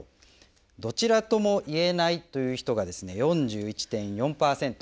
「どちらともいえない」という人が４１．４％。